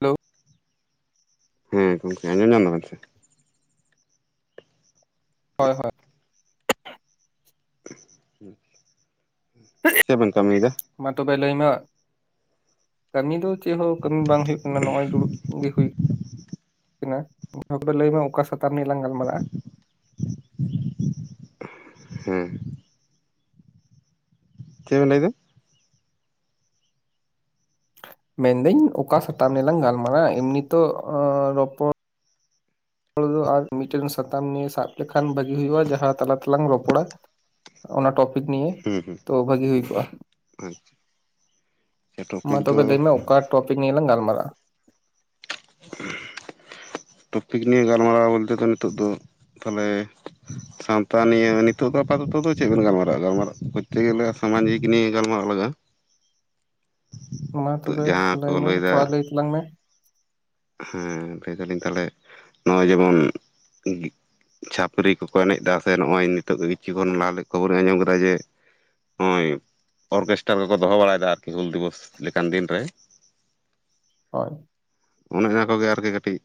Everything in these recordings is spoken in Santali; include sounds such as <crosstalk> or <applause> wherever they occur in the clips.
ᱦᱮᱞᱳ ᱦᱮᱸ ᱜᱚᱢᱠᱮ ᱟᱸᱡᱚᱢ ᱧᱟᱢ ᱫᱟᱵᱮᱱ ᱥᱮ? ᱦᱳᱭ ᱦᱳᱭ <inaudible> ᱪᱮᱫ ᱵᱮᱱ ᱠᱟᱹᱢᱤᱭᱮᱫᱟ ᱢᱟᱛᱚᱵᱮ ᱞᱟᱹᱭ ᱢᱮ ᱠᱟᱹᱢᱤ ᱫᱚ ᱪᱮᱫ ᱦᱚᱸ ᱠᱟᱹᱢᱤ ᱵᱟᱝ ᱦᱩᱭᱩᱜ ᱠᱟᱱᱟ ᱱᱚᱜ ᱚᱭ ᱫᱩᱲᱩᱜ ᱜᱮ ᱦᱩᱭ ᱛᱤᱦᱤᱧᱟᱜ ᱢᱟᱛᱚᱵᱮ ᱞᱟᱹᱭ ᱢᱮ ᱚᱠᱟ ᱥᱟᱛᱟᱢ ᱱᱤᱭᱟᱹ ᱞᱟᱝ ᱜᱟᱞᱢᱟᱨᱟᱜᱼᱟ᱾ <inaudible> ᱦᱮᱸ ᱪᱮᱫ ᱵᱮᱱ ᱞᱟᱹᱭ ᱮᱫᱟ? ᱢᱮᱱᱫᱟᱹᱧ ᱚᱠᱟ ᱥᱟᱛᱟᱢ ᱱᱤᱭᱟᱹ ᱞᱟᱝ ᱜᱟᱞᱢᱟᱨᱟᱜᱼᱟ ᱮᱢᱱᱤ ᱛᱚ ᱚᱸ ᱨᱚᱯᱚᱲ ᱦᱚᱲ ᱫᱚ ᱟᱨ ᱢᱤᱫᱴᱮᱱ ᱥᱟᱛᱟᱢ ᱱᱤᱭᱟᱹ ᱥᱟᱵ ᱞᱮᱠᱷᱟᱱ ᱵᱷᱟᱹᱜᱤ ᱦᱩᱭᱩᱜᱼᱟ ᱡᱟᱦᱟᱸ ᱛᱟᱞᱟ ᱛᱮᱞᱟᱝ ᱨᱚᱯᱚᱲᱟ᱾ ᱚᱱᱟ ᱴᱚᱯᱤᱠ ᱱᱤᱭᱟ ᱦᱩᱸ ᱛᱚ ᱵᱷᱟᱹᱜᱤ ᱦᱩᱭ ᱠᱚᱜᱼᱟ᱾ ᱦᱩᱸ ᱟᱪᱪᱷᱟ ᱢᱟ ᱴᱚᱯᱤᱠ ᱫᱚ ᱛᱚᱵᱮ ᱞᱟᱹᱭ ᱢᱮ ᱚᱠᱟ ᱴᱚᱯᱤᱠ ᱱᱤᱭᱟᱹ ᱞᱟᱝ <unintelligible> <unintelligible> ᱴᱚᱯᱤᱠ ᱱᱤᱭᱟᱹ ᱜᱟᱞᱢᱟᱨᱟᱣ ᱵᱚᱞᱛᱮ ᱫᱚ ᱱᱤᱛᱚᱜ ᱫᱚ ᱛᱟᱦᱚᱞᱮ ᱥᱟᱶᱛᱟ ᱱᱤᱭᱟᱹ ᱱᱤᱛᱚᱜ ᱫᱚ ᱛᱟᱦᱚᱞᱮ ᱥᱟᱶᱛᱟ ᱱᱤᱭᱟᱹ ᱟᱯᱟᱛᱚᱛᱚ ᱫᱚ ᱪᱮᱫ ᱵᱮᱱ ᱜᱟᱞᱢᱟᱨᱟᱜᱼᱟ ᱜᱟᱞᱢᱟᱨᱟᱜ ᱠᱚᱨᱛᱮ ᱜᱮᱞᱮ ᱥᱟᱢᱟᱡᱤᱠ ᱱᱤᱭᱟ ᱜᱟᱞᱢᱟᱨᱟᱜ ᱞᱟᱜᱟᱜ-ᱟ᱾ <unintelligible> ᱢᱟ ᱛᱚᱵᱮ ᱡᱟᱦᱟᱸ ᱠᱚ ᱞᱟᱹᱭ ᱢᱮ ᱞᱟᱹᱭᱫᱟ ᱛᱷᱚᱲᱟ ᱞᱟᱹᱭ ᱛᱟᱞᱟᱝ ᱢᱮ ᱦᱮᱸ ᱞᱟᱹᱭ ᱫᱟᱞᱤᱧ ᱛᱟᱦᱞᱮ ᱱᱚᱜᱼᱚᱭ ᱡᱮᱢᱚᱱ ᱪᱷᱟᱹᱯᱟᱹᱨᱤ ᱠᱚᱠᱚ ᱮᱱᱮᱡ ᱮᱫᱟ ᱥᱮ ᱱᱚᱜ ᱱᱤᱛ ᱠᱤᱪᱷᱩ ᱠᱷᱚᱱ ᱞᱟᱦᱟ ᱠᱷᱚᱵᱚᱨᱤᱧ ᱟᱸᱡᱚᱢ ᱠᱮᱫᱟ ᱡᱮ ᱱᱚᱜᱚᱭ ᱚᱨᱠᱮᱥᱴᱟᱨ ᱠᱚᱠᱚ ᱫᱚᱦᱚ ᱵᱟᱲᱟᱭᱮᱫᱟ ᱟᱨᱠᱤ ᱦᱩᱞ ᱫᱤᱵᱚᱥ ᱞᱮᱠᱟᱱ ᱫᱤᱱᱨᱮ ᱦᱳᱭ ᱚᱱᱮ ᱚᱱᱟ ᱠᱚᱜᱮ ᱟᱨᱠᱤ ᱠᱟᱹᱴᱤᱡ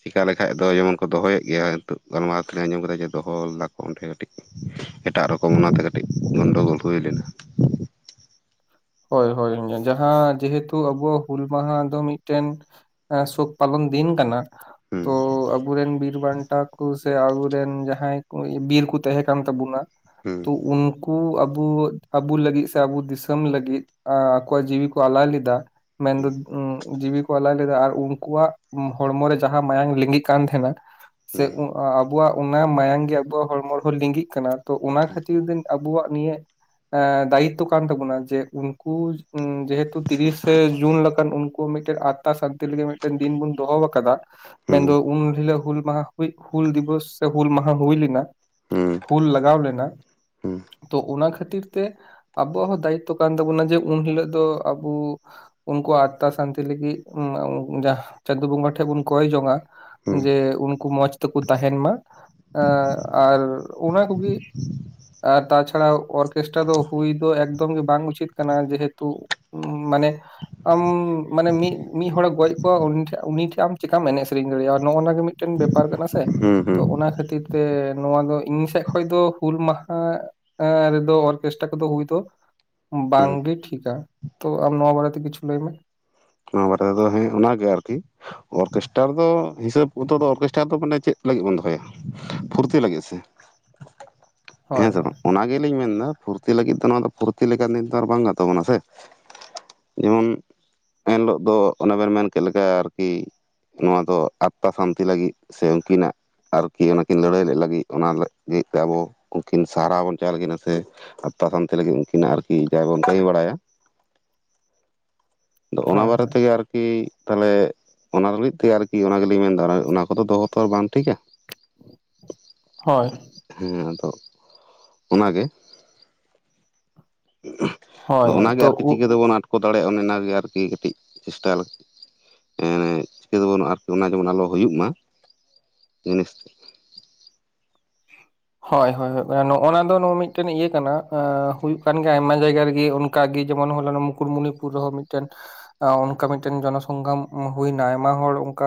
ᱪᱮᱠᱟ ᱞᱮᱠᱷᱟᱡ ᱫᱚ ᱡᱮᱢᱚᱱ ᱠᱚ ᱫᱚᱦᱚᱭᱮᱫ ᱜᱮᱭᱟ ᱱᱤᱛᱚᱜ ᱜᱟᱞᱢᱟᱨᱟᱣᱤᱧ ᱟᱸᱡᱚᱢ ᱠᱮᱫᱟ ᱡᱮ ᱫᱚᱦᱚ ᱞᱮᱫᱟ ᱠᱚ ᱚᱸᱰᱮ ᱠᱟᱹᱴᱤᱡ ᱮᱴᱟᱜ ᱨᱚᱠᱚᱢ ᱚᱱᱟᱛᱮ ᱠᱟᱹᱴᱤᱡ ᱜᱚᱱᱰᱚᱜᱳᱞ ᱦᱩᱭ ᱞᱮᱱᱟ᱾ <unintelligible> ᱦᱳᱭ ᱦᱳᱭ ᱡᱟᱦᱟᱸ ᱡᱮᱦᱮᱛᱩ ᱟᱵᱚᱣᱟᱜ ᱦᱩᱞ ᱢᱟᱦᱟ ᱫᱚ ᱢᱤᱫᱴᱮᱱ ᱥᱩᱠ ᱯᱟᱞᱚᱱ ᱫᱤᱱ ᱠᱟᱱᱟ ᱦᱩᱸ ᱛᱚ ᱟᱵᱚᱨᱮᱱ ᱵᱤᱨ ᱵᱟᱱᱴᱟ <unintelligible> ᱠᱚ ᱥᱮ ᱟᱵᱚᱨᱮᱱ ᱡᱟᱦᱟᱸᱭ ᱠᱚ ᱵᱤᱨ ᱠᱚ ᱛᱟᱦᱮᱸ ᱠᱟᱱ ᱛᱟᱵᱚᱱᱟ᱾ ᱦᱩᱸ ᱛᱚ ᱩᱱᱠᱩ ᱟᱵᱚ ᱟᱵᱩ ᱞᱟᱹᱜᱤᱫ ᱥᱮ ᱟᱵᱚ ᱫᱤᱥᱚᱢ ᱞᱟᱹᱜᱤᱫ ᱟᱠᱚᱣᱟᱜ ᱡᱤᱣᱤ ᱠᱚ ᱟᱞᱟᱭ ᱞᱮᱫᱟ ᱢᱮᱱᱫᱚ ᱡᱤᱣᱤ ᱠᱚ ᱟᱞᱟᱭ ᱞᱮᱫᱟ ᱟᱨ ᱩᱱᱠᱩᱣᱟᱜ ᱦᱚᱲᱢᱚ ᱨᱮ ᱡᱟᱦᱟᱸ ᱢᱟᱭᱟᱝ ᱞᱤᱸᱜᱤᱜ ᱠᱟᱱ ᱛᱟᱦᱮᱸᱱᱟ ᱥᱮ ᱟᱵᱚᱣᱟᱜ ᱚᱱᱟ ᱢᱟᱭᱟᱝ ᱜᱮ ᱟᱵᱚᱣᱟᱜ ᱦᱚᱲᱢᱚ ᱨᱮᱦᱚᱸ ᱞᱤᱜᱤᱜ ᱠᱟᱱᱟ ᱛᱚ ᱚᱱᱟ ᱠᱷᱟᱹᱛᱤᱨ ᱫᱚ ᱟᱵᱩᱣᱟᱜ ᱱᱤᱭᱟᱹ ᱫᱟᱭᱤᱛᱛᱚ ᱠᱟᱱ ᱛᱟᱵᱚᱱᱟ ᱡᱮ ᱩᱱᱠᱩ ᱡᱮᱦᱮᱛᱩ ᱛᱤᱨᱤᱥᱮ ᱡᱩᱱ ᱞᱮᱠᱟᱱ ᱩᱱᱠᱩ ᱢᱤᱫᱴᱤᱡ ᱟᱛᱛᱟ ᱥᱟᱱᱛᱤ ᱞᱟᱹᱜᱤᱫ ᱢᱤᱫᱴᱮᱱ ᱫᱤᱱ ᱵᱩᱱ ᱫᱚᱦᱚ ᱟᱠᱟᱫᱟ᱾ ᱦᱩᱸ ᱢᱮᱱᱫᱚ ᱩᱱᱤ ᱦᱤᱞᱚᱜ ᱦᱩᱞ ᱢᱟᱦᱟ ᱦᱩᱞ ᱫᱤᱵᱚᱥ ᱥᱮ ᱦᱩᱞ ᱢᱟᱦᱟ ᱦᱩᱭ ᱞᱮᱱᱟ᱾ ᱦᱩᱸ ᱦᱩᱞ ᱞᱟᱜᱟᱣ ᱞᱮᱱᱟ ᱦᱩᱸ ᱦᱩᱸ ᱛᱚ ᱚᱱᱟ ᱠᱷᱟᱹᱛᱤᱨ ᱠᱷᱟᱹᱛᱤᱨ ᱛᱮ ᱟᱵᱚᱣᱟᱜ ᱦᱚᱸ ᱫᱟᱭᱤᱛᱛᱚ ᱠᱟᱱ ᱛᱟᱵᱚᱱᱟ ᱡᱮ ᱩᱱ ᱦᱤᱞᱚᱜ ᱫᱚ ᱟᱵᱚ ᱩᱱᱠᱩ ᱟᱛᱛᱟ ᱥᱟᱱᱛᱤ ᱞᱟᱹᱜᱤᱫ ᱪᱟᱸᱫᱚ ᱵᱚᱸᱜᱟ ᱴᱷᱮᱱ ᱵᱚᱱ ᱠᱚᱭ ᱡᱚᱝᱼᱟ ᱡᱮ ᱩᱱᱠᱩ ᱢᱚᱡᱽ ᱛᱮᱠᱚ ᱛᱟᱦᱮᱱ ᱢᱟ ᱟᱨ ᱚᱱᱟ ᱠᱚᱜᱮ ᱟᱨ ᱛᱟᱪᱷᱟᱲᱟ ᱚᱨᱠᱮᱥᱴᱟᱨ ᱫᱚ ᱦᱩᱭ ᱫᱚ ᱮᱠᱫᱚᱢ ᱜᱮ ᱵᱟᱝ ᱩᱪᱤᱛ ᱠᱟᱱᱟ ᱡᱮᱦᱮᱛᱩ ᱢᱟᱱᱮ ᱟᱢ ᱢᱟᱱᱮ ᱢᱤᱫ ᱢᱤᱫ ᱦᱚᱲᱮ ᱜᱚᱡ ᱠᱚᱣᱟ ᱩᱱᱤ ᱴᱷᱮᱱ ᱟᱢ ᱪᱤᱠᱠᱟᱢ ᱮᱱᱮᱡ ᱥᱮᱨᱮᱧ ᱫᱟᱲᱮᱭᱟᱜᱼᱟ ᱱᱚᱜ ᱚᱱᱟ ᱜᱮ ᱢᱤᱫᱴᱮᱱ ᱵᱮᱯᱟᱨ ᱠᱟᱱᱟ ᱥᱮ ᱦᱩᱸ ᱦᱩᱸ ᱛᱚ ᱦᱩᱸ ᱚᱱᱟ ᱠᱷᱟᱹᱛᱤᱨ ᱛᱮ ᱱᱚᱣᱟ ᱫᱚ ᱤᱧ ᱥᱮᱫ ᱠᱷᱚᱱ ᱫᱚ ᱦᱩᱞ ᱢᱟᱦᱟ ᱨᱮᱫᱚ ᱚᱨᱠᱮᱥᱴᱟᱨ <unintelligible> ᱦᱩᱸ ᱵᱟᱝᱜᱮ ᱴᱷᱤᱠᱟ ᱛᱚ ᱟᱢ ᱱᱚᱣᱟ ᱵᱟᱨᱮ ᱛᱮ ᱠᱤᱪᱷᱩ ᱞᱟᱹᱭ ᱢᱮ ᱱᱚᱣᱟ ᱵᱟᱨᱮ ᱛᱮᱫᱚ ᱦᱮᱸ ᱚᱱᱟᱜᱮ ᱟᱨᱠᱤ ᱚᱨᱠᱮᱥᱴᱟᱨ ᱫᱚ ᱦᱤᱥᱟᱹᱵ ᱫᱚ ᱚᱨᱠᱮᱥᱴᱟᱨ ᱫᱚ ᱢᱟᱱᱮ ᱪᱮᱫ ᱞᱟᱹᱜᱤᱫ ᱵᱚᱱ ᱫᱚᱦᱚᱭᱟ ᱯᱷᱩᱨᱛᱤ ᱞᱟᱹᱜᱤᱫ ᱥᱮ ᱠᱷᱟᱹᱞᱤ <inaudible> ᱦᱮᱸ ᱥᱮ ᱵᱟᱝ ᱚᱱᱟ ᱜᱮ ᱞᱤᱧ ᱢᱮᱱ ᱮᱫᱟ ᱯᱷᱩᱨᱛᱤ ᱞᱟᱹᱜᱤᱫ ᱫᱚ ᱱᱚᱣᱟ ᱫᱚ ᱯᱷᱩᱨᱛᱤ ᱞᱮᱠᱟ ᱫᱤᱱ ᱫᱚ ᱵᱟᱝᱟᱱ ᱛᱟᱵᱚᱱᱟ ᱥᱮ ᱡᱮᱢᱚᱱ ᱮᱱᱦᱤᱞᱳᱜ ᱫᱚ ᱚᱱᱮ ᱵᱮᱱ ᱢᱮᱱ ᱠᱮᱫ ᱞᱮᱠᱟ ᱟᱨᱠᱤ ᱱᱚᱣᱟ ᱫᱚ ᱟᱛᱛᱟ ᱥᱟᱱᱛᱤ ᱞᱟᱹᱜᱤᱫ ᱥᱮ ᱩᱱᱠᱤᱱᱟᱜ ᱟᱨᱠᱤ ᱚᱱᱟᱠᱤᱱ ᱞᱟᱹᱲᱦᱟᱹᱭ ᱞᱮᱫ ᱞᱟᱹᱜᱤᱫ ᱚᱱᱟ ᱞᱟᱹᱜᱤᱫ ᱛᱮ ᱟᱵᱚ ᱩᱱᱠᱤᱱ ᱥᱟᱨᱦᱟᱣ ᱵᱚᱱ ᱪᱟᱞ ᱟᱠᱤᱱᱟ ᱥᱮ ᱛᱟᱭᱟ ᱥᱟᱱᱛᱤ ᱞᱟᱹᱜᱤᱫ ᱩᱱᱠᱤᱱᱟᱜ ᱟᱨᱠᱤ ᱡᱟᱦᱟᱸᱭ ᱵᱚᱱ ᱠᱟᱹᱢᱤ ᱵᱟᱲᱟᱭᱟ <inaudible> ᱟᱫᱚ ᱚᱱᱟ ᱵᱟᱨᱮ ᱦᱳᱭ ᱛᱮᱜᱮ ᱟᱨᱠᱤ ᱛᱟᱦᱚᱞᱮ ᱚᱱᱟ ᱞᱟᱹᱜᱤᱫ ᱛᱮ ᱟᱨᱠᱤ ᱚᱱᱟ ᱜᱮᱞᱤᱧ ᱢᱮᱱᱫᱟ ᱚᱱᱟ ᱠᱚᱫᱚ ᱫᱚᱦᱚ ᱛᱚ ᱵᱟᱝ ᱴᱷᱤᱠᱟ ᱦᱳᱭ ᱦᱮᱸ ᱟᱫᱚ ᱚᱱᱟᱜᱮ <unintelligible> ᱟᱫᱚ ᱦᱳᱭ ᱚᱱᱟᱜᱮ ᱛᱚ ᱟᱨᱠᱤ ᱩ ᱪᱤᱠᱟᱹ ᱛᱮᱵᱚᱱ ᱟᱴᱠᱚ ᱫᱟᱲᱮᱭᱟᱜᱼᱟ ᱚᱱᱮ ᱚᱱᱟᱜᱮ ᱟᱨᱠᱤ ᱠᱟᱹᱴᱤᱡ ᱪᱮᱥᱴᱟᱭ ᱪᱤᱠᱟᱹᱛᱮ ᱵᱚᱱ <unintelligible> ᱦᱩᱭᱩᱜ ᱢᱟ ᱡᱤᱱᱤᱥ ᱦᱳᱭ ᱦᱳᱭ ᱱᱚᱜ ᱱᱟ ᱫᱚ ᱢᱤᱫᱴᱮᱱ ᱤᱭᱟᱹ ᱠᱟᱱᱟ ᱦᱩᱭᱩᱜ ᱠᱟᱱ ᱜᱮᱭᱟ ᱟᱭᱢᱟ ᱡᱟᱭᱜᱟ ᱨᱮᱜᱮ ᱚᱱᱠᱟᱜᱮ ᱡᱮᱢᱚᱱ ᱦᱚᱞᱟ ᱱᱚᱜ ᱢᱩᱠᱩᱴᱢᱩᱱᱤᱯᱩᱨ ᱨᱮᱦᱚᱸ ᱢᱤᱫᱴᱮᱱ ᱚᱱᱠᱟ ᱢᱤᱫᱴᱮᱱ ᱡᱚᱱᱚ ᱥᱚᱝᱜᱨᱟᱢ ᱦᱩᱭᱱᱟ ᱟᱭᱢᱟ ᱦᱚᱲ ᱚᱱᱠᱟ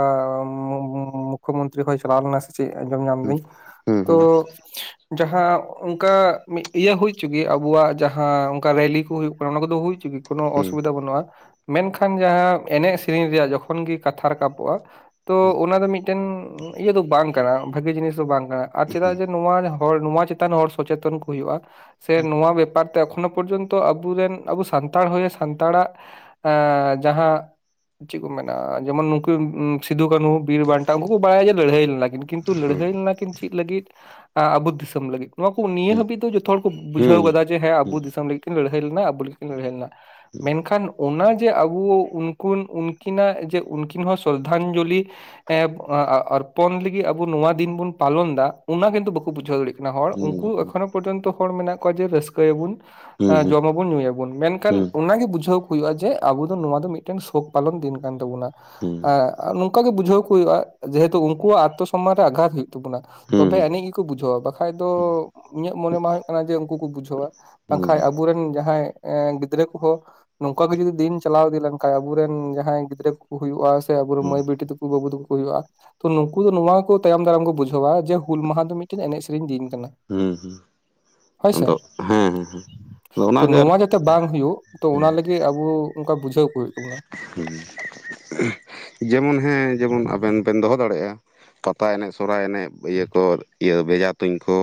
ᱢᱩᱠᱷᱚ ᱢᱚᱱᱛᱨᱤ ᱦᱚᱭ ᱪᱟᱞᱟᱣ ᱞᱮᱱᱟ ᱥᱮ ᱪᱮᱫ ᱟᱸᱡᱚᱢ ᱧᱟᱢ ᱦᱩᱸ ᱫᱟᱹᱧ ᱦᱩᱸ ᱛᱚ ᱡᱟᱦᱟᱸ ᱚᱱᱠᱟ ᱤᱭᱟᱹ ᱦᱩᱭ ᱦᱚᱪᱚ ᱟᱵᱚᱣᱟᱜ ᱡᱟᱦᱟᱸ ᱚᱱᱠᱟ ᱨᱮᱞᱤ ᱠᱚ ᱦᱩᱭᱩᱜ ᱠᱟᱱᱟ ᱚᱱᱟ ᱫᱚ ᱦᱩᱭᱪᱤ ᱠᱳᱱᱳ ᱦᱩᱸ ᱚᱥᱩᱵᱤᱫᱷᱟ ᱵᱟᱹᱱᱩᱜᱼᱟ ᱢᱮᱱᱠᱷᱟᱱ ᱡᱟᱦᱟᱸ ᱮᱱᱮᱡ ᱥᱮᱨᱮᱧ ᱨᱮᱭᱟᱜ ᱡᱚᱠᱷᱚᱱ ᱜᱮ ᱠᱟᱛᱷᱟ ᱨᱟᱠᱟᱵᱚᱜᱼᱟ ᱛᱚ ᱦᱩᱸ ᱚᱱᱟ ᱫᱚ ᱢᱤᱫᱴᱮᱱ ᱤᱭᱟᱹ ᱫᱚ ᱵᱟᱝ ᱠᱟᱱᱟ ᱵᱷᱟᱜᱮ ᱡᱤᱱᱤᱥ ᱫᱚ ᱵᱟᱝ ᱠᱟᱱᱟ ᱟᱨ ᱪᱮᱫᱟᱜ ᱦᱩᱸ ᱦᱩᱸ ᱡᱮ ᱱᱚᱣᱟ ᱦᱚᱲ ᱱᱚᱣᱟ ᱪᱮᱛᱟᱱ ᱦᱚᱲ ᱥᱚᱪᱮᱛᱚᱱ ᱠᱚ ᱦᱩᱭᱩᱜᱼᱟ ᱥᱮ ᱱᱚᱣᱟ ᱵᱮᱯᱟᱨ ᱛᱮ ᱮᱠᱷᱚᱱᱳ ᱯᱚᱨᱡᱚᱱᱛᱚ ᱟᱵᱚᱨᱮᱱ ᱟᱵᱚ ᱥᱟᱱᱛᱟᱲ ᱦᱩᱭ ᱥᱟᱱᱛᱟᱲᱟᱜ ᱮ ᱡᱟᱦᱟᱸ ᱪᱮᱫ ᱠᱚ ᱢᱮᱱᱟ ᱡᱮᱢᱚᱱ ᱱᱩᱠᱩ ᱥᱤᱫᱩᱠᱟᱱᱦᱩ ᱵᱤᱨ ᱵᱟᱱᱴᱟ ᱩᱱᱠᱩ ᱠᱚ ᱵᱟᱲᱟᱭᱟ ᱡᱮ ᱞᱟᱹᱲᱦᱟᱹᱭ ᱞᱮᱱᱟᱠᱤᱱ ᱠᱤᱱᱛᱩ ᱞᱟᱹᱲᱦᱟᱹᱭ ᱦᱩᱸ ᱫᱷᱟᱹᱭ ᱞᱮᱱᱟ ᱠᱤᱱ ᱪᱮᱫ ᱞᱟᱹᱜᱤᱫ ᱟᱵᱚ ᱫᱤᱥᱚᱢ ᱞᱟᱹᱜᱤᱫ ᱱᱚᱣᱟ ᱠᱚ ᱱᱤᱭᱟᱹ ᱦᱟᱹᱵᱤᱡ ᱫᱚ ᱡᱚᱛᱚ ᱦᱚᱲ ᱠᱚ ᱵᱩᱡᱷᱟᱹᱣ ᱦᱩᱸ ᱠᱟᱫᱟ ᱡᱮ ᱦᱮᱸ ᱟᱵᱚ ᱦᱩᱸ ᱫᱤᱥᱚᱢ ᱞᱟᱹᱜᱤᱫ ᱤᱱ ᱞᱟᱹᱲᱦᱟᱹᱭ ᱞᱮᱱᱟ ᱟᱵᱚ ᱞᱮᱠᱤᱱ ᱞᱟᱹᱲᱦᱟᱹᱭ ᱞᱮᱱᱟ ᱦᱩᱸ ᱢᱮᱱᱠᱷᱟᱱ ᱚᱱᱟ ᱡᱮ ᱟᱵᱚ ᱩᱱᱠᱤᱱ ᱩᱱᱠᱤᱱᱟᱜ ᱡᱮ ᱩᱱᱠᱤᱱ ᱦᱚᱸ ᱥᱨᱚᱫᱽᱫᱷᱟᱧᱡᱚᱞᱤ ᱚᱨᱯᱚᱱ ᱞᱟᱹᱜᱤᱫ ᱟᱵᱚ ᱱᱚᱣᱟ ᱫᱤᱱ ᱵᱚᱱ ᱯᱟᱞᱚᱱ ᱮᱫᱟ ᱚᱱᱟ ᱠᱤᱱᱛᱩ ᱵᱟᱠᱚ ᱵᱩᱡᱷᱟᱹᱣ ᱫᱟᱲᱮᱭᱟᱜ ᱠᱟᱱᱟ ᱦᱚᱲ ᱦᱩᱸ ᱩᱱᱠᱩ ᱮᱠᱷᱚᱱᱚ ᱯᱚᱨᱡᱚᱱᱛᱚ ᱦᱚᱲ ᱢᱮᱱᱟᱜ ᱠᱚᱣᱟ ᱡᱮ ᱨᱟᱹᱥᱠᱟᱹᱭᱟᱵᱚᱱ ᱦᱩᱸ ᱦᱩᱸ ᱡᱚᱢ ᱚᱱ ᱧᱩᱭᱟᱵᱚᱱ ᱢᱮᱱᱠᱷᱟᱱ ᱚᱱᱟᱜᱮ ᱵᱩᱡᱷᱟᱹᱣ ᱠᱚ ᱦᱩᱭᱩᱜᱼᱟ ᱡᱮ ᱟᱵᱚ ᱫᱚ ᱱᱚᱣᱟ ᱫᱚ ᱢᱤᱫᱴᱮᱱ ᱥᱳᱠ ᱯᱟᱞᱚᱱ ᱫᱤᱱ ᱠᱟᱱ ᱛᱟᱵᱚᱱᱟ ᱮᱸ ᱱᱚᱝᱠᱟᱱᱟᱜ ᱜᱮ ᱵᱩᱡᱷᱟᱹᱣ ᱠᱚ ᱦᱩᱭᱩᱜᱼᱟ ᱡᱮᱦᱮᱛᱩ ᱩᱱᱠᱩᱣᱟᱜ ᱟᱛᱚ ᱥᱚᱢᱢᱟᱱ ᱨᱮ ᱟᱜᱷᱟᱛ ᱦᱩᱭᱩᱜ ᱛᱟᱵᱚᱱᱟ ᱛᱚᱵᱮ ᱦᱩᱸ ᱮᱱᱮᱡ ᱜᱮᱠᱚ ᱵᱩᱡᱷᱟᱹᱣᱟ ᱵᱟᱠᱷᱟᱡ ᱫᱚ ᱤᱧᱟᱹᱜ ᱢᱚᱱᱮ ᱢᱟ ᱦᱳᱭᱳᱜ ᱠᱟᱱᱟ ᱡᱮ ᱩᱱᱠᱩ ᱠᱚ ᱵᱩᱡᱷᱟᱹᱣᱟ ᱵᱟᱝᱠᱷᱟᱡ ᱦᱩᱸ ᱟᱵᱚᱨᱮᱱ ᱟ ᱡᱟᱦᱟᱸᱭ ᱜᱤᱫᱽᱨᱟᱹ ᱠᱚᱦᱚᱸ ᱱᱚᱝᱠᱟ ᱜᱮ ᱡᱩᱫᱤ ᱫᱤᱱ ᱪᱟᱞᱟᱣ ᱤᱫᱤ ᱞᱮᱱᱠᱷᱟᱱ ᱟᱵᱚᱨᱮᱱ ᱡᱟᱦᱟᱸᱭ ᱜᱤᱫᱽᱨᱟᱹ ᱦᱩᱭᱩᱜᱼᱟ ᱥᱮ ᱟᱵᱚᱨᱮᱱ ᱢᱟᱹᱭ ᱵᱤᱴᱤ ᱵᱟᱹᱵᱩ ᱛᱟᱠᱚ ᱦᱩᱭᱩᱜᱼᱟ ᱛᱚ ᱱᱩᱠᱩ ᱫᱚ ᱱᱚᱶᱟ ᱛᱟᱭᱚᱢ ᱫᱟᱨᱟᱢ ᱠᱚ ᱵᱩᱡᱷᱟᱹᱣᱟ ᱡᱮ ᱦᱩᱞ ᱢᱟᱦᱟ ᱫᱚ ᱢᱤᱫ ᱴᱟᱝ ᱮᱱᱮᱡ ᱥᱮᱨᱮᱧ ᱫᱤᱱ ᱠᱟᱱᱟ ᱦᱩᱸ ᱦᱩᱸ ᱦᱳᱭᱥᱮ ᱟᱫᱚ ᱦᱮᱸ ᱦᱮᱸ ᱦᱮᱸ ᱟᱫᱚ ᱛᱚ ᱚᱱᱟᱜᱮ ᱟᱨ ᱱᱚᱣᱟ ᱡᱟᱛᱮ ᱵᱟᱝ ᱦᱩᱭᱩᱜ ᱛᱚ ᱚᱱᱟ ᱞᱟᱹᱜᱤᱫ ᱟᱵᱚ ᱚᱱᱠᱟ ᱵᱩᱡᱷᱟᱹᱣ ᱠᱚ ᱦᱩᱭᱩᱜ ᱛᱟᱵᱚᱱᱟ ᱦᱩᱸ ᱡᱮᱢᱚᱱ <unintelligible> ᱦᱮᱸ ᱡᱮᱢᱚᱱ ᱟᱵᱮᱱ ᱵᱮᱱ ᱫᱚᱦᱚ ᱫᱟᱲᱮᱭᱟᱜᱼᱟ ᱯᱟᱛᱟ ᱮᱱᱮᱡ ᱥᱚᱨᱦᱟᱭ ᱮᱱᱮᱡ ᱤᱭᱟᱹ ᱠᱚ ᱵᱷᱮᱡᱟ ᱛᱩᱧ ᱠᱚ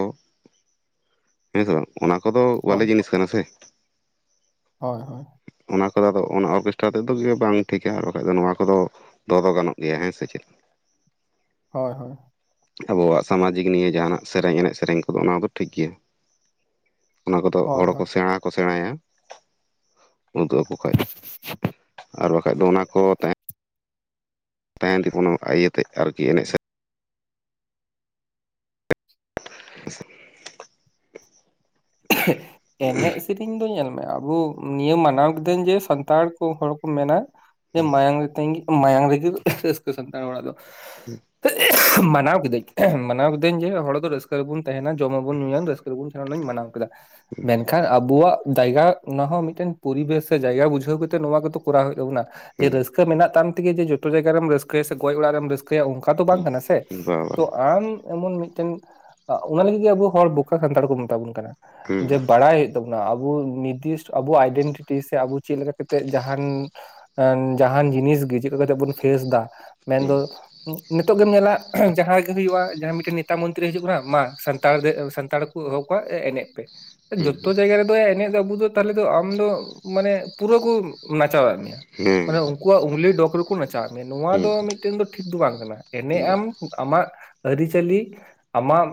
ᱦᱮᱸ ᱥᱮ ᱵᱟᱝ ᱚᱱᱟ ᱠᱚᱫᱚ ᱵᱷᱟᱞᱮ ᱦᱳᱭ ᱡᱤᱱᱤᱥ ᱠᱟᱱᱟ ᱥᱮ ᱦᱳᱭ ᱦᱳᱭ ᱚᱱᱟ <unintelligible> ᱴᱟ ᱛᱮᱫᱚ ᱵᱟᱝ ᱴᱷᱤᱠᱟ ᱟᱨ ᱵᱟᱠᱷᱟᱱ ᱫᱚ ᱱᱚᱣᱟ ᱠᱚᱫᱚ ᱛᱚ ᱫᱚ ᱜᱟᱱᱚᱜ ᱜᱮᱭᱟ ᱦᱮᱸ ᱥᱮ ᱪᱮᱫ ᱦᱳᱭ ᱦᱳᱭ ᱟᱵᱚᱣᱟᱜ ᱥᱟᱢᱟᱡᱤᱠ ᱱᱤᱭᱮ ᱡᱟᱦᱟᱱᱟᱜ ᱥᱮᱨᱮᱧ ᱮᱱᱮᱡ ᱥᱮᱨᱮᱧ ᱠᱚᱫᱚ ᱚᱱᱟ ᱠᱚᱫᱚ ᱴᱷᱤᱠ ᱜᱮᱭᱟ ᱚᱱᱟ ᱠᱚᱫᱚ ᱦᱚᱲ ᱦᱳᱭ ᱥᱮᱬᱟ ᱦᱚᱸ ᱠᱚ ᱥᱮᱬᱟᱭᱟ ᱩᱫᱩᱜ ᱟᱠᱚ ᱠᱷᱟᱱ ᱟᱨ ᱵᱟᱠᱷᱟᱡ ᱫᱚ ᱚᱱᱟ ᱠᱚ ᱛᱟᱦᱮᱸ ᱴᱮᱱᱯᱳᱱᱳ ᱤᱭᱟᱹᱛᱮ ᱟᱨᱠᱤ ᱮᱱᱮᱡ ᱥᱮᱨᱮᱧ ᱦ <inaudible> ᱮᱱᱮᱡ ᱥᱮᱨᱮᱧ ᱫᱚ ᱧᱮᱞ ᱟᱵᱚ ᱱᱤᱭᱟᱹ ᱢᱟᱱᱟᱣ ᱠᱤᱫᱟᱹᱧ ᱡᱮ ᱥᱟᱱᱛᱟᱲ ᱠᱚ ᱦᱚᱲ ᱠᱚ ᱢᱮᱱᱟ ᱡᱮ ᱢᱟᱭᱟᱝ ᱨᱤᱛᱤᱧ ᱜᱮ ᱢᱟᱭᱟᱝ ᱨᱮᱜᱮ ᱨᱟᱹᱥᱠᱟᱹ ᱥᱟᱱᱛᱟᱲ ᱦᱚᱲᱟᱜ ᱫᱚ <unintelligible> ᱢᱟᱱᱟᱣ ᱠᱤᱫᱟᱹᱧ ᱢᱟᱱᱟᱣ ᱠᱤᱫᱟᱹᱧ ᱡᱮ ᱦᱚᱲ ᱫᱚ ᱨᱟᱹᱥᱠᱟᱹ ᱨᱮᱵᱚᱱ ᱛᱟᱦᱮᱱᱟ ᱡᱚᱢᱟᱵᱚᱱ ᱧᱩᱭᱟ ᱨᱟᱹᱥᱠᱟᱹ ᱨᱮᱵᱚᱱ ᱛᱟᱦᱮᱱᱟ ᱚᱱᱟᱧ ᱢᱟᱱᱟᱣᱣᱟ ᱢᱮᱱᱠᱷᱟᱱ ᱟᱵᱚᱣᱟᱜ ᱡᱟᱭᱜᱟ ᱚᱱᱟ ᱦᱚᱸ ᱢᱤᱫᱴᱮᱱ ᱯᱚᱨᱤᱵᱮᱥ ᱥᱮ ᱡᱟᱭᱜᱟ ᱵᱩᱡᱷᱟᱹᱣ ᱠᱟᱛᱮ ᱱᱚᱣᱟ ᱠᱚᱫᱚ ᱠᱚᱨᱟᱣ ᱦᱩᱭᱩᱜ ᱛᱟᱵᱚᱱᱟ ᱡᱮ ᱦᱩᱸ ᱨᱟᱹᱥᱠᱟᱹ ᱢᱮᱱᱟᱜ ᱛᱟᱢ ᱛᱮᱜᱮ ᱡᱮ ᱡᱚᱛᱚ ᱡᱟᱭᱜᱟ ᱨᱮ ᱨᱟᱹᱥᱠᱟᱹ ᱥᱮ ᱜᱚᱡ ᱚᱲᱟᱜ ᱨᱮ ᱨᱟᱹᱥᱠᱟᱹ ᱤᱠᱟᱹᱭᱟ ᱚᱱᱠᱟ ᱫᱚ ᱵᱟᱝ ᱦᱩᱸ ᱠᱟᱱᱟ ᱥᱮ ᱦᱩᱸ ᱵᱟ ᱛᱚ ᱟᱢ ᱮᱢᱚᱱ ᱢᱤᱫ ᱮᱱ ᱚᱱᱟ ᱞᱟᱹᱜᱤᱫ ᱜᱮ ᱟᱵᱚ ᱦᱚᱲ ᱵᱚᱠᱟ ᱥᱟᱱᱛᱟᱲ ᱠᱚ ᱢᱮᱛᱟ ᱵᱚᱱ ᱠᱟᱱᱟ ᱡᱮ ᱵᱟᱲᱟᱭ ᱦᱩᱭᱩᱜ ᱛᱟᱵᱚᱱᱟ ᱟᱵ ᱱᱤᱨᱫᱤᱥᱴ ᱟᱵᱚ ᱟᱭᱰᱮᱱᱴᱤᱴᱤ ᱥᱮ ᱟᱵᱚ ᱪᱮᱫ ᱞᱮᱠᱟ ᱠᱟᱛᱮᱜ ᱡᱟᱦᱟᱱ ᱡᱟᱦᱟᱱ ᱡᱤᱱᱤᱥ ᱪᱮᱫᱠᱟ ᱠᱟᱛᱮᱜ ᱵᱚᱱ ᱯᱷᱮᱥ ᱮᱫᱟ ᱢᱮᱱᱫᱚ ᱱᱤᱛᱚᱜ ᱜᱮᱢ ᱧᱮᱞᱟ <unintelligible> ᱡᱟᱦᱟᱸ ᱜᱮ ᱦᱩᱭᱩᱜᱼᱟ ᱡᱟᱦᱟᱸ ᱢᱤᱫᱴᱮᱱ ᱱᱮᱛᱟ ᱢᱚᱱᱛᱨᱤᱤᱭ ᱦᱤᱡᱩᱜ ᱠᱟᱱᱟ ᱢᱟ ᱥᱟᱱᱛᱟᱲ ᱥᱟᱱᱛᱟᱲ ᱠᱚᱦ ᱚᱣᱟᱜ ᱮᱱᱮᱡ ᱯᱮ ᱡᱚᱛᱚ ᱡᱟᱭᱜᱟ ᱨᱮᱫᱚ ᱮᱱᱮᱡ ᱟᱵᱩ ᱫᱚ ᱛᱟᱦᱚᱞᱮ ᱫᱚ ᱟᱢ ᱫᱚ ᱢᱟᱱᱮ ᱯᱩᱨᱟᱹ ᱠᱚᱪ ᱪᱟᱣᱮᱫ ᱢᱮᱭᱟ ᱢᱟᱱᱮ ᱩᱱᱠᱩᱣᱟᱜ ᱩᱝᱞᱤ ᱰᱚᱜ ᱨᱮᱠᱚ ᱱᱟᱪᱟᱣᱮᱫ ᱢᱮ ᱱᱚᱣᱟ ᱫᱚ ᱢᱤᱫᱴᱮᱱ ᱫᱚ ᱴᱷᱤᱠ ᱫᱚ ᱵᱟᱝ ᱠᱟᱱᱟ ᱮᱱᱮᱡ ᱟᱢ ᱟᱢᱟᱜ ᱟᱹᱨᱤᱪᱟᱹᱞᱤ ᱟᱢᱟᱜ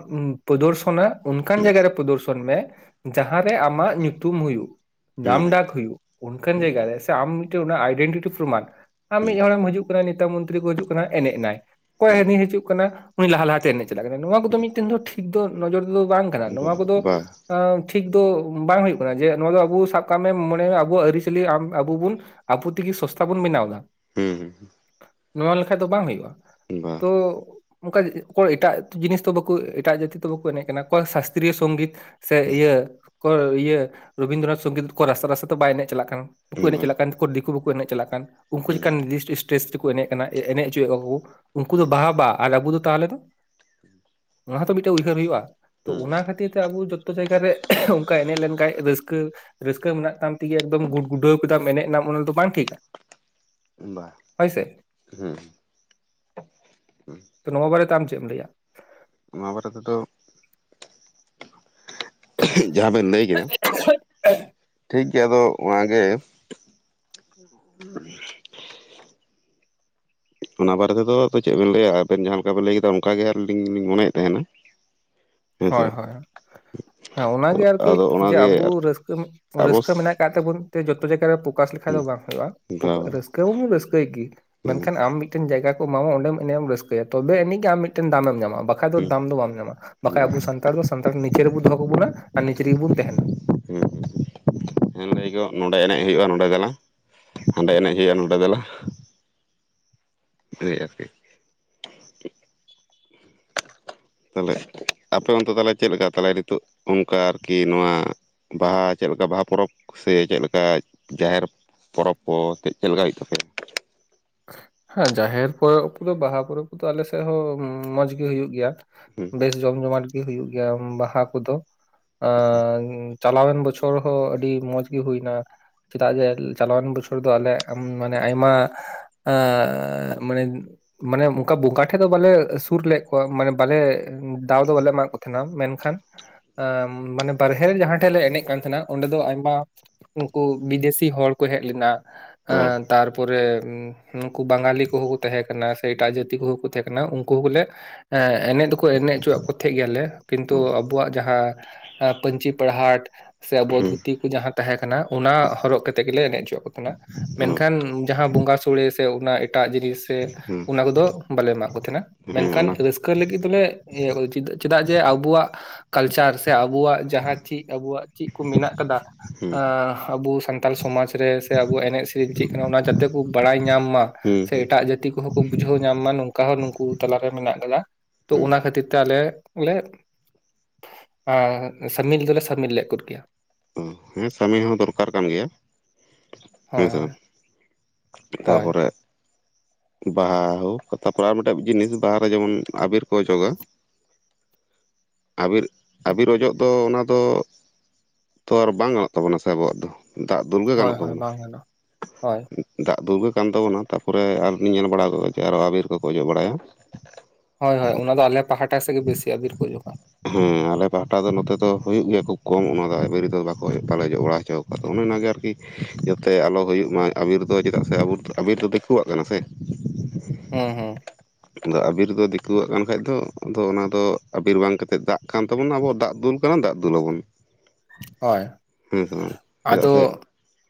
ᱯᱨᱚᱫᱚᱨᱥᱚᱱᱟ ᱚᱱᱠᱟᱱ ᱡᱟᱭᱜᱟ ᱨᱮ ᱯᱨᱚᱫᱚᱨᱥᱚᱱ ᱢᱮ ᱡᱟᱦᱟᱸ ᱨᱮ ᱟᱢᱟᱜ ᱧᱩᱛᱩᱢ ᱦᱩᱭᱩᱜ ᱱᱟᱢ ᱰᱟᱠ ᱦᱩᱭᱩᱜ ᱚᱱᱠᱟᱱ ᱡᱟᱭᱜᱟ ᱨᱮ ᱥᱮ ᱟᱢ ᱢᱤᱫᱴᱮᱱ ᱟᱭᱰᱮᱱᱴᱤ ᱯᱨᱚᱢᱟᱱ ᱟᱢ ᱢᱤᱫ ᱦᱚᱲᱮᱢ ᱦᱤᱡᱩᱜ ᱠᱟᱱᱟ ᱱᱮᱛᱟ ᱢᱚᱱᱛᱨᱤ ᱠᱚ ᱦᱤᱡᱩᱜ ᱠᱟᱱᱟ ᱮᱱᱮᱡ ᱱᱟᱭ ᱚᱠᱚᱭ ᱦᱟᱹᱱᱤ ᱦᱤᱡᱩᱜ ᱠᱟᱱᱟ ᱩᱱᱤ ᱞᱟᱦᱟ ᱞᱟᱦᱟᱛᱮ ᱮᱱᱮᱡ ᱪᱟᱞ ᱠᱟᱱᱟ ᱱᱚᱣᱟ ᱠᱚᱫᱚ ᱢᱤᱫᱴᱮᱱ ᱫᱚ ᱴᱷᱤᱠ ᱫᱚ ᱱᱚᱡᱚᱨ ᱫᱚ ᱵᱟᱝ ᱠᱟᱱᱟ ᱱᱚᱣᱟ ᱠᱚᱫᱚ ᱵᱟ ᱴᱷᱤᱠ ᱫᱚ ᱵᱟᱝ ᱦ ᱦᱩᱭᱩᱜᱭᱜ ᱠᱟᱱᱟ ᱡᱮ ᱱᱚᱣᱟ ᱫᱚ ᱟᱵᱚ ᱥᱟᱵ ᱠᱟᱜ ᱢᱮ ᱢᱚᱱᱮ ᱟᱵᱣᱟᱜ ᱟᱹᱨᱤᱪᱟᱹᱞᱤ ᱟᱵᱚ ᱵᱩᱱ ᱟᱵᱚ ᱛᱮᱜᱮ ᱥᱚᱥᱛᱟ ᱵᱚᱱ ᱵᱮᱱᱟᱣ ᱮᱫᱟ ᱦᱩᱸ ᱦᱩᱸ ᱱᱚᱣᱟ ᱞᱮᱠᱷᱟ ᱫᱚ ᱵᱟᱝ ᱦᱩᱭᱩᱜᱼᱟ ᱦᱩᱸ ᱦᱩᱸ ᱦᱩᱸ ᱦᱩᱸ ᱵᱟ ᱦᱩᱸ ᱦᱩᱸ ᱦᱩᱸ ᱦᱩᱸ ᱦᱩᱸ ᱦᱩᱸ ᱵᱟ ᱵᱟ ᱦᱩᱸ ᱦᱩᱸ ᱵᱟ ᱛᱚ ᱚᱱᱠᱟ ᱚᱠᱚᱭ ᱮᱴᱟᱜ ᱡᱤᱱᱤᱥ ᱫᱚ ᱵᱟᱠᱚ ᱮᱴᱟᱜ ᱡᱟᱹᱛᱤ ᱫᱚ ᱵᱟᱠᱚ ᱮᱱᱮᱡ ᱠᱟᱱᱟ ᱚᱠᱚᱭ ᱥᱟᱥᱛᱨᱤᱭᱚ ᱥᱚᱝᱜᱤᱛ ᱥᱮ ᱦᱩᱸ ᱤᱭᱟᱹ ᱠᱚ ᱤᱭᱟᱹ ᱨᱚᱵᱤᱱᱫᱨᱚᱱᱟᱛᱷ ᱥᱚᱝᱜᱤᱛ ᱠᱚ ᱨᱟᱥᱛᱟ ᱨᱟᱥᱛᱟ ᱛᱮ ᱵᱟᱭ ᱮᱱᱮᱡ ᱪᱟᱞᱟᱜ ᱠᱟᱱ ᱵᱟᱠᱚ ᱮᱱᱮᱡ ᱵᱟ ᱪᱟᱞᱟᱜ ᱠᱟᱱ ᱫᱤᱠᱩ ᱵᱟᱠᱚ ᱮᱱᱮᱡ ᱪᱟᱞᱟᱜ ᱠᱟᱱ ᱩᱱᱠᱩ ᱦᱩᱸ ᱪᱟᱱ ᱱᱤᱨᱫᱤᱥ ᱥᱴᱮᱥ ᱛᱮᱠᱚ ᱮᱱᱮᱡ ᱮᱱᱮᱡ ᱦᱚᱪᱚᱭᱮᱫ ᱠᱚᱣᱟ ᱩᱱᱠᱩ ᱫᱚ ᱵᱟᱦᱟ ᱟᱨ ᱟᱵᱚ ᱫᱚ ᱛᱟᱦᱚᱞᱮ ᱫᱚ ᱚᱱᱟᱛᱚ ᱢᱤᱫᱴᱮᱡ ᱩᱭᱦᱟᱹᱨ ᱦᱩᱭᱩᱜᱼᱟ ᱛᱚ ᱦᱩᱸ ᱚᱱᱟ ᱠᱷᱟᱹᱛᱤᱨ ᱛᱮ ᱟᱵᱚ ᱡᱚᱛᱚ ᱡᱚᱛᱚ ᱡᱟᱭᱜᱟ ᱨᱮ ᱚᱱᱠᱟ ᱮᱱᱮᱡ ᱞᱮᱱᱠᱟᱱᱡ ᱨᱟᱹᱥᱠᱟᱹ ᱨᱟᱹᱥᱠᱟᱹ ᱢᱮᱱᱟᱜ ᱛᱟᱢ ᱛᱮᱜᱮ ᱮᱠᱫᱚᱢ ᱜᱩᱰ ᱜᱩᱰᱟᱹᱣ ᱠᱮᱫᱟᱢ ᱮᱱᱮᱡ ᱮᱱᱟ ᱛ ᱵᱟᱝ ᱴᱷᱤᱠ-ᱟ ᱵᱟᱝ ᱦᱳᱭ ᱥᱮ ᱦᱮᱸ ᱛᱚ ᱱᱚᱣᱟ ᱵᱟᱨᱮᱛᱮ ᱟᱢ ᱪᱮᱫ ᱮᱢ ᱞᱟᱹᱭᱟ ᱚᱱᱟ ᱵᱟᱨᱮ ᱛᱮᱫᱚ ᱡᱟᱦᱟᱸ ᱵᱮᱱ ᱞᱟᱹᱭ ᱠᱮᱫᱟ ᱴᱷᱤᱠᱜᱮᱭᱟ ᱟᱫᱚ ᱚᱱᱟᱜᱮ ᱚᱱᱟ ᱵᱟᱨᱮ ᱛᱮᱫᱚ ᱪᱮᱫ ᱵᱮᱱ ᱞᱟᱹᱭᱟ ᱟᱵᱮᱱ ᱡᱟᱦᱟᱸ ᱞᱮᱠᱟ ᱵᱮᱱ ᱞᱟᱹᱭ ᱠᱮᱫᱟ ᱚᱱᱠ ᱜᱮ ᱞᱤᱧ ᱢᱚᱱᱮᱭᱮᱫ ᱛᱟᱦᱮᱱᱟ ᱦᱮᱸᱥᱮ ᱦᱳᱭ ᱦᱳᱭ ᱦᱮᱸ ᱚᱱᱟᱜᱮ ᱟᱨᱠᱤ ᱟᱫᱚ ᱡᱮ ᱚᱱᱟᱜᱮ ᱟᱵᱚᱟᱹᱠ ᱟᱵᱚ ᱨᱟᱹᱥᱠᱟᱹ ᱢᱮᱱᱟᱜ ᱠᱫ ᱛᱟᱵᱚᱱ ᱡᱚᱛᱚ ᱡᱟᱭᱜᱟ ᱨᱮ ᱯᱷᱚᱠᱟᱥ ᱞᱮᱠᱷᱟᱡ ᱦᱩᱸ ᱫᱚ ᱵᱟᱝ ᱦᱩᱭᱩᱜᱼᱟ ᱵᱟ ᱵᱟ ᱨᱟᱹᱥᱠᱟᱹ ᱢᱟ ᱨᱟᱹᱥᱠᱟᱹᱭ ᱜᱮ ᱦᱩᱸ ᱢᱮᱱᱠᱷᱟᱱ ᱟᱢ ᱢᱤᱫᱴᱮᱱ ᱡᱟᱭᱜᱟ ᱮᱢᱟᱢᱟ ᱚᱸᱰᱮ ᱮᱱᱮᱡ ᱮᱢ ᱨᱟᱹᱥᱠᱟᱹᱭᱟ ᱛᱚᱵᱮ ᱮᱱᱮᱡ ᱜᱮ ᱢᱤᱫᱮᱴ ᱫᱟᱢᱮ ᱮᱢ ᱧᱟᱢᱟ ᱵᱟᱠᱷᱡ ᱫᱚ ᱦᱩᱸ ᱫᱟᱢ ᱫᱚ ᱵᱟᱢ ᱧᱟᱢᱟ ᱵᱟᱠᱷᱟᱡ ᱵᱟ ᱟᱵᱚ ᱥᱟᱱᱛᱟᱲ ᱫᱚ ᱥᱟᱱᱛᱟᱲ ᱱᱤᱡᱮ ᱨᱮᱵᱚᱱ ᱫᱚᱦᱚ ᱠᱟᱵᱚᱱᱟ ᱟᱨ ᱱᱤᱡᱮ ᱨᱮᱜᱮ ᱵᱚᱱ ᱛᱟᱦᱮᱱᱟ ᱦᱮᱸ ᱱᱚᱰᱮ ᱮᱱᱮᱡ ᱦᱩᱭᱩᱜᱼᱟ ᱱᱚᱰᱮᱞᱟᱝ ᱦᱟᱸᱰᱮ ᱮᱱᱮᱡ ᱦᱩᱭᱩᱜᱼᱟ ᱱᱚᱰᱮ ᱫᱚᱞᱟᱝ ᱮᱭ ᱟᱨᱠᱤ ᱛᱟᱦᱮ ᱟᱯᱮ ᱚᱱᱛᱮ ᱛᱮ ᱪᱮᱫᱞᱮᱠᱟ ᱛᱟᱞᱮ ᱱᱤᱛᱚᱜ ᱚᱱᱠᱟ ᱟᱨᱠᱤ ᱱᱚᱣᱟ ᱵᱟᱦᱟ ᱪᱮᱫ ᱞᱮᱠᱟ ᱵᱟᱦᱟ ᱯᱚᱨᱚᱵᱽ ᱥᱮ ᱪᱮᱫ ᱞᱮᱠᱟ ᱡᱟᱦᱮᱨ ᱯᱚᱨᱚᱵᱽ ᱠᱚ ᱪᱮᱫ ᱪᱮᱫ ᱞᱮᱠᱟ ᱦᱩᱭᱩᱜ ᱛᱟᱯᱮᱭᱟ ᱦᱮᱸ ᱡᱟᱦᱮᱨ ᱯᱚᱨᱚᱵᱽ ᱠᱚᱫᱚ ᱵᱟᱦᱟ ᱯᱚᱨᱚᱵᱽ ᱠᱚᱫᱚ ᱟᱞᱮ ᱥᱮᱫ ᱦᱚᱸ ᱢᱚᱸᱡᱽᱜᱤ ᱦᱩᱭᱩᱜ ᱜᱮᱭᱟ ᱦᱮᱸ ᱵᱮᱥ ᱡᱚᱢ ᱡᱚᱢᱟᱴ ᱜᱮ ᱦᱩᱭᱩᱜ ᱜᱮᱭᱟ ᱵᱟᱦᱟ ᱠᱚᱫᱚ ᱟᱨ ᱪᱟᱞᱟᱣᱮᱱ ᱵᱚᱪᱷᱚᱨ ᱦᱚᱸ ᱟᱹᱰᱤ ᱢᱚᱸᱡᱽ ᱜᱮ ᱦᱩᱭ ᱮᱱᱟ ᱪᱮᱫᱟᱜ ᱡᱮ ᱪᱟᱞᱟᱣᱮᱱ ᱵᱚᱪᱷᱚᱨ ᱫᱚ ᱟᱞᱮ ᱢᱟᱱᱮ ᱟᱭᱢᱟ ᱮ ᱢᱟᱱᱮ ᱢᱟᱱᱮ ᱚᱱᱠᱟ ᱵᱚᱸᱜᱟ ᱴᱷᱮᱡ ᱫᱚ ᱵᱟᱞᱮ ᱥᱩᱨ ᱞᱮᱫ ᱠᱚᱣᱟ ᱢᱟᱱᱮ ᱵᱟᱞᱮ ᱫᱟᱣ ᱫᱚ ᱵᱟᱞᱮ ᱮᱢᱟᱫ ᱠᱚ ᱛᱟᱦᱮᱱᱟ ᱢᱮᱱᱠᱷᱟᱱ ᱢᱟᱱᱮ ᱵᱟᱨᱦᱮ ᱡᱟᱦᱟᱸᱴᱷᱮᱡ ᱞᱮ ᱮᱱᱮᱡ ᱠᱟᱱ ᱛᱟᱦᱮᱸᱱᱟ, ᱚᱸᱰᱮ ᱫᱚ ᱟᱭᱢᱟ ᱩᱱᱠᱩ ᱵᱤᱫᱮᱥᱤ ᱦᱚᱲ ᱠᱚ ᱦᱮᱡ ᱞᱮᱱᱟ᱾ ᱚ ᱛᱟᱨᱯᱚᱨᱮ ᱱᱩᱠᱩ ᱵᱟᱝᱜᱟᱞᱤ ᱠᱚᱦᱚᱸ ᱠᱚ ᱛᱟᱦᱮᱸ ᱠᱟᱱᱟ ᱥᱮ ᱮᱴᱟᱜ ᱡᱟᱹᱛᱤ ᱠᱚᱦᱚᱸ ᱠᱚ ᱛᱟᱦᱮᱸ ᱠᱟᱱᱟ ᱩᱱᱠᱩ ᱦᱚᱸᱞᱮ ᱮᱸ ᱮᱱᱮᱡ ᱫᱚᱠᱚ ᱮᱱᱮᱡ ᱦᱚᱪᱚᱣᱟᱜ ᱠᱚ ᱛᱟᱦᱮᱸᱫ ᱜᱮᱭᱟᱞᱮ ᱠᱤᱱᱛᱩ ᱟᱵᱚᱣᱟᱜ ᱡᱟᱦᱟᱸ ᱯᱟᱹᱱᱪᱤᱪᱤ- ᱯᱟᱲᱦᱟᱴ ᱥᱮ ᱟᱵᱚ ᱦᱮᱸ ᱫᱷᱩᱛᱤ ᱠᱚ ᱡᱟᱦᱟᱸ ᱛᱟᱦᱮᱸ ᱠᱟᱱᱟ᱾ ᱚᱱᱟ ᱦᱚᱨᱚᱜ ᱠᱟᱛᱮ ᱜᱮᱞᱮ ᱮᱱᱮᱡ ᱡᱚᱜᱣᱟᱜ ᱠᱟᱱᱟ ᱚ ᱢᱮᱱᱠᱷᱟᱱ ᱡᱟᱦᱟᱸ ᱵᱚᱸᱜᱟ ᱥᱳᱲᱮ ᱥᱮ ᱚᱱᱟ ᱮᱴᱟᱜ ᱡᱤᱱᱤᱥ ᱥᱮ ᱦᱮᱸ ᱚᱱᱟ ᱠᱚᱫᱚ ᱵᱟᱞᱮ ᱮᱢᱟᱜ ᱠᱚ ᱛᱟᱦᱮᱸᱱᱟ ᱦᱮᱸ ᱢᱮᱱᱠᱷᱟᱱ ᱚᱱᱟ ᱨᱟᱹᱥᱠᱟᱹ ᱞᱟᱹᱜᱤᱫ ᱫᱚᱞᱮ ᱩ ᱪᱮᱫᱟᱜ ᱡᱮ ᱟᱵᱚᱣᱟᱜ ᱠᱟᱞᱪᱟᱨ ᱥᱮ ᱟᱵᱚᱣᱟᱜ ᱡᱟᱦᱟᱸ ᱪᱮᱫ ᱟᱵᱚᱣᱟᱜ ᱪᱮᱫ ᱠᱚ ᱢᱮᱱᱟᱜ ᱟᱠᱟᱫᱟ, ᱦᱮᱸ ᱟᱵᱩ ᱥᱟᱱᱛᱟᱞ ᱥᱚᱢᱟᱡᱽ ᱨᱮ ᱥᱮ ᱟᱵᱚᱣᱟᱜ ᱮᱱᱮᱡ - ᱥᱮᱨᱮᱧ ᱪᱮᱫ ᱠᱟᱱᱟ ᱚᱱᱟ ᱡᱟᱛᱮ ᱠᱚ ᱵᱟᱲᱟᱭ ᱧᱟᱢ ᱢᱟ ᱦᱮᱸ ᱥᱮ ᱦᱮᱸ ᱮᱴᱟᱜ ᱡᱟᱹᱛᱤ ᱠᱚᱦᱚᱸ ᱠᱚ ᱵᱩᱡᱷᱟᱹᱣ ᱧᱟᱢ ᱢᱟ ᱱᱚᱝᱠᱟ ᱦᱚᱸ ᱱᱩᱠᱩ ᱛᱟᱞᱞᱟᱟᱨᱮ ᱢᱮᱱᱟᱜ ᱠᱟᱫᱟ᱾ ᱛᱚ ᱦᱮᱸ ᱚᱱᱟ ᱠᱷᱟᱛᱤᱨ ᱛᱮ ᱟᱞᱮ ᱵᱚᱞᱮ ᱥᱟᱢᱤᱞ ᱫᱚᱞᱮ ᱥᱟᱹᱢᱤᱞ ᱫᱚ ᱞᱮ ᱥᱟᱹᱢᱤᱞ ᱞᱮᱫ ᱠᱚᱫ ᱠᱮᱭᱟ᱾ ᱚ ᱦᱮᱸ ᱥᱟᱹᱢᱤᱞ ᱦᱚᱸ ᱫᱚᱨᱠᱟᱨ ᱠᱟᱱ ᱜᱮᱭᱟ ᱦᱮᱸ ᱦᱳᱭ ᱥᱮ ᱦᱳᱭ ᱵᱟᱝ ᱦᱳᱭ ᱛᱟᱯᱚᱨᱮ <inaudible> ᱵᱟᱦᱟ ᱦᱳᱠ ᱛᱟᱨᱯᱚᱨ ᱟᱨ ᱢᱤᱫᱴᱮᱱ ᱡᱤᱱᱤᱥ ᱵᱟᱦᱟᱨᱮ ᱡᱮᱢᱚᱱ ᱟᱵᱮᱨ ᱠᱚ ᱚᱡᱚᱜᱟ <inaudible> ᱟᱹᱵᱤᱨ, ᱟᱵᱤᱨ ᱚᱡᱚᱜ ᱫᱚ ᱚᱱᱟ ᱫᱚ ᱛᱚ ᱟᱨ ᱵᱟᱝ ᱜᱟᱱᱚᱜ ᱛᱟᱵᱚᱱᱟ ᱥᱮ ᱟᱵᱚᱣᱟᱜ ᱫᱚ᱾ ᱫᱟᱜ ᱫᱩᱞ ᱜᱮ ᱦᱳᱭ ᱜᱟᱱᱚᱜ ᱦᱳᱭ ᱛᱟᱵᱚᱱᱟ ᱵᱟᱝ ᱜᱟᱱᱚᱜᱼᱟ ᱦᱳᱭ ᱫᱟᱜ ᱫᱩᱞ ᱜᱮ᱾ ᱠᱟᱱ ᱛᱟᱵᱚᱱᱟ ᱛᱟᱨᱯᱚᱨᱮ ᱟᱨᱦᱚ ᱞᱤᱧ ᱧᱮᱞ ᱵᱟᱲᱟ ᱟᱠᱟᱫᱟ ᱡᱮ ᱟᱨᱦᱚ ᱟᱵᱤᱨ ᱠᱚᱠᱚ ᱚᱡᱚᱜ ᱵᱟᱲᱟᱭᱟ᱾ ᱦᱳᱭ ᱦᱳᱭ ᱚᱱᱟ ᱫᱚ ᱟᱞᱮ ᱯᱟᱦᱴᱟ ᱥᱮᱫ ᱜᱮ ᱵᱮᱥᱤ ᱟᱵᱤᱨ ᱠᱚᱠᱚ ᱚᱡᱚᱜ-ᱟ᱾ ᱦᱮᱸ ᱟᱞᱮ ᱯᱟᱦᱴᱟ ᱫᱚ ᱱᱚᱛᱮ ᱫᱚ ᱦᱩᱭᱩᱜ ᱜᱮᱭᱟ ᱠᱷᱩᱵ ᱠᱚᱢ ᱚᱱᱟ ᱵᱟᱠᱳ ᱵᱟᱞᱮ ᱚᱡᱚᱜ ᱵᱟᱲᱟ ᱦᱚᱪᱚ ᱠᱚᱣᱟ ᱚᱱᱮ ᱚᱱᱟᱜᱮ ᱟᱨᱠᱤ ᱡᱟᱛᱮ ᱟᱞᱚ ᱦᱩᱭᱩᱜ ᱢᱟ ᱟᱵᱤᱨ ᱫᱚ ᱪᱮᱫᱟᱜ ᱥᱮ ᱟᱵᱚ ᱟᱵᱤᱨ ᱫᱚ ᱫᱤᱠᱩᱣᱟᱜ ᱠᱟᱱᱟ ᱥᱮ ᱦᱮᱸ ᱦᱮᱸ ᱟᱫᱚ ᱟᱵᱤᱨ ᱫᱚ ᱫᱤᱠᱩᱣᱟᱜ ᱠᱟᱱ ᱠᱷᱟᱡ ᱫᱚ ᱟᱫᱚ ᱚᱱᱟᱫᱚ ᱟᱵᱤᱨ ᱵᱟᱝ ᱠᱟᱛᱮᱜ ᱫᱟᱜ ᱠᱟᱱ ᱛᱟᱵᱚᱱᱟ ᱟᱵᱚᱣᱟᱜ ᱫᱟᱜ ᱫᱩᱞ ᱠᱟᱱᱟ ᱫᱟᱜ ᱫᱩᱞ ᱟᱵᱚᱱ ᱦᱳᱭ ᱦᱮᱸ ᱥᱮ ᱵᱟᱝ ᱪᱮᱫᱟᱜ ᱥᱮ ᱟᱫᱚ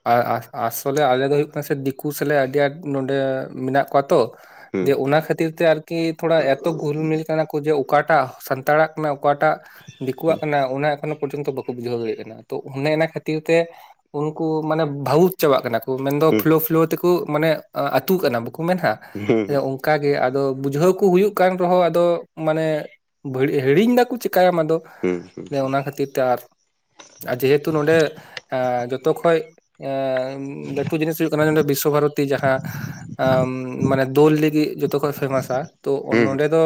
ᱟᱥᱚᱞᱮ ᱟᱞᱮ ᱫᱚ ᱦᱩᱭᱩᱜ ᱠᱟᱱᱟ᱾ ᱫᱤᱠᱩ ᱥᱟᱞᱮ ᱟᱹᱰᱤ ᱟᱸᱴ ᱱᱚᱰᱮ ᱢᱮᱱᱟᱜ ᱠᱚᱣᱟ ᱛᱚ ᱦᱩᱸ ᱫᱤᱭᱮ ᱚᱱᱟ ᱠᱷᱟᱹᱛᱤᱨ ᱛᱮ ᱟᱨᱠᱤ ᱛᱷᱚᱲᱟ ᱮᱛᱚ ᱜᱩᱞᱢᱤᱞ ᱠᱟᱱᱟ ᱠᱚ ᱡᱮ ᱚᱠᱟᱴᱟᱜ ᱥᱟᱱᱛᱟᱲᱟᱜ ᱠᱟᱱᱟ ᱚᱠᱟᱴᱟᱜ ᱫᱤᱠᱩᱣᱟᱜ ᱠᱟᱱᱟ ᱚᱱᱟ ᱮᱠᱷᱚᱱᱳ ᱯᱚᱨᱡᱚᱱᱛᱚ ᱵᱟᱠᱚ ᱵᱩᱡᱷᱟᱹᱣ ᱫᱟᱲᱮᱭᱟᱜ ᱠᱟᱱᱟ᱾ ᱚ ᱚᱱᱮ ᱚᱱᱟ ᱠᱷᱟᱹᱛᱤᱨ ᱛᱮ ᱩᱱᱠᱩ ᱢᱟᱱᱮ ᱵᱷᱟᱹᱵᱩᱠ ᱪᱟᱵᱟᱜ ᱠᱟᱱᱟ ᱠᱚ ᱢᱮᱱ ᱫᱚ ᱦᱩᱸ ᱯᱷᱚᱞᱳ- ᱯᱷᱚᱞᱳ ᱛᱮᱠᱚ ᱢᱟᱱᱮ ᱟᱹᱛᱩᱜ ᱠᱟᱱᱟ ᱵᱟᱠᱚ ᱢᱮᱱ-ᱟ ᱦᱩᱸ ᱚᱱᱠᱟ ᱜᱮ ᱟᱫᱚ ᱵᱩᱡᱷᱟᱹᱣ ᱠᱚ ᱦᱩᱭᱩᱜ ᱠᱟᱱ ᱨᱮᱦᱚᱸ ᱟᱫᱚ ᱢᱟᱱᱮ ᱦᱤᱲᱤᱧ ᱫᱟᱠᱚ ᱪᱮᱫ ᱪᱤᱠᱟᱭᱟᱢ ᱟᱫᱚ ᱦᱩᱸ ᱚᱱᱟ ᱠᱷᱟᱹᱛᱤᱨ ᱛᱮ ᱟᱨ ᱟᱨ ᱡᱮᱦᱮᱛᱩ ᱱᱚᱸᱰᱮ ᱡᱚᱛᱚᱠᱷᱚᱡ ᱞᱟᱹᱴᱩ ᱡᱤᱱᱤᱥ ᱦᱩᱭᱩᱜ ᱠᱟᱱᱟ ᱱᱚᱰᱮ ᱵᱤᱥᱥᱚ ᱵᱷᱟᱨᱚᱛᱤ ᱡᱟᱦᱟᱸ ᱢᱟᱱᱮ ᱫᱳᱞ ᱞᱟᱹᱜᱤᱫ ᱡᱚᱛᱚᱠᱷᱚᱡ ᱯᱷᱮᱢᱟᱥ ᱯᱷᱮᱢᱟᱥᱟ ᱛᱚ ᱦᱩᱸ ᱦᱩᱸ ᱦᱩᱸ ᱦᱩᱸ ᱱᱚᱰᱮ ᱫᱚ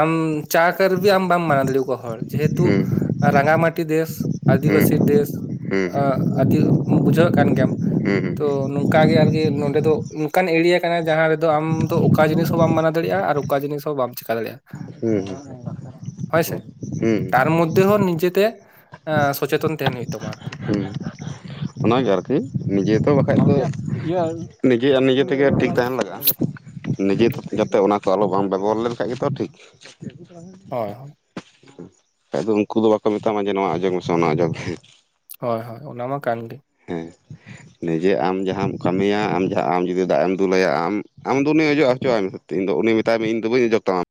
ᱟᱢ ᱪᱟ ᱠᱟᱨᱵᱤ ᱟᱢ ᱵᱟᱢ ᱢᱟᱱᱟᱣ ᱫᱟᱲᱮ ᱟᱠᱚᱣᱟ ᱦᱚᱲ ᱡᱮᱦᱮᱛᱩ ᱨᱟᱸᱜᱟᱢᱴᱤ ᱫᱮᱥ᱾ ᱦᱩᱸ ᱟᱹᱫᱤᱵᱟᱹᱥᱤ ᱫᱮᱥ ᱦᱩᱸ ᱦᱩᱸ ᱟᱫᱤ ᱵᱩᱡᱷᱟᱹᱜ ᱠᱟᱱ ᱜᱮᱭᱟᱢ ᱦᱩᱸ ᱛᱚ ᱱᱚᱝᱠᱟ ᱜᱮ ᱦᱩᱸ ᱟᱨᱠᱤ ᱱᱚᱰᱮ ᱫᱚ ᱚᱱᱠᱟᱱ ᱮᱨᱤᱭᱟ ᱠᱟᱱᱟ ᱡᱟᱦᱟᱸ ᱨᱮᱫᱚ ᱟᱢ ᱫᱚ ᱚᱠᱟ ᱡᱤᱱᱤᱥ ᱦᱚᱸ ᱵᱟᱢ ᱢᱟᱱᱟᱣ ᱦᱩᱸ ᱫᱟᱲᱮᱭᱟᱜ-ᱟ ᱟᱨ ᱚᱠᱟ ᱡᱤᱱᱤᱥ ᱦᱚᱸ ᱵᱟᱢ ᱪᱮᱠᱟ ᱫᱟᱲᱮᱭᱟᱜ-ᱟ᱾ ᱦᱚᱭ ᱥᱮ ᱦᱩᱸ ᱦᱩᱸ ᱛᱟᱨ ᱢᱚᱫᱷᱮ ᱦᱚᱸ ᱱᱤᱡᱮᱛᱮ ᱥᱚᱪᱮᱛᱚᱱ ᱛᱟᱦᱮᱱ ᱦᱩᱭᱩᱜ ᱛᱟᱢᱟ ᱟᱨᱠᱤ ᱦᱩᱸ ᱚᱱᱟᱜᱮ ᱟᱨᱠᱤ ᱱᱤᱡᱮ ᱛᱚ ᱵᱟᱠᱷᱟᱡ ᱫᱚ ᱱᱤᱡᱮ ᱟᱨ ᱱᱤᱡᱮ ᱛᱮᱜᱮ ᱴᱷᱤᱠ ᱛᱟᱦᱮᱱ ᱞᱟᱜᱟᱜ-ᱟ᱾ ᱱᱤᱡᱮ ᱡᱟᱛᱮ ᱚᱱᱟ ᱠᱚ ᱟᱞᱚ ᱵᱟᱢ ᱵᱮᱵᱚᱦᱟᱨ ᱞᱮᱱᱠᱷᱟᱡ ᱜᱮᱛᱚ ᱴᱷᱤᱠ ᱦᱳᱭ ᱦᱳᱭ <unintelligible> ᱵᱟᱠᱷᱟᱡ ᱫᱚ ᱩᱱᱠᱩ ᱫᱚ ᱵᱟᱠᱚ ᱢᱮᱛᱟᱢᱟ ᱡᱮ ᱱᱚᱣᱟ ᱚᱡᱚᱜ ᱢᱮᱥᱮ ᱚᱱᱟ ᱚᱡᱚᱜ ᱢᱮ᱾ ᱦᱳᱭ ᱦᱳᱭ ᱚᱱᱟ ᱢᱟ ᱠᱟᱱ ᱜᱮ ᱦᱮᱸ ᱱᱤᱡᱮ ᱟᱢ ᱡᱟᱦᱟᱸᱢ ᱠᱟᱹᱢᱤᱭᱟ ᱟᱢ ᱡᱟᱦᱟᱸ ᱟᱢ ᱡᱩᱫᱤ ᱫᱟᱜ ᱮᱢ ᱫᱩᱞᱟᱭᱟ ᱟᱢ ᱟᱢ ᱫᱚ ᱩᱱᱤ ᱚᱡᱚᱜ ᱦᱚᱪᱚᱟᱭ ᱢᱮ ᱛᱤᱱ ᱟᱫᱚ ᱩᱱᱤ ᱢᱮᱛᱟᱭ ᱢᱮ ᱤᱧᱫᱚ ᱵᱟᱹᱧ ᱚᱡᱚᱜ ᱛᱟᱢᱟ